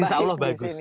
insya allah bagus